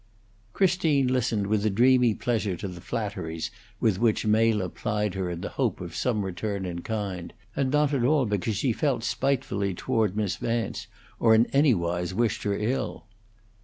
Christine listened with a dreamy pleasure to the flatteries with which Mela plied her in the hope of some return in kind, and not at all because she felt spitefully toward Miss Vance, or in anywise wished her ill.